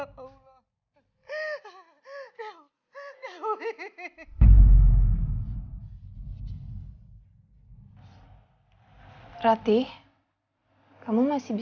terjata selama ini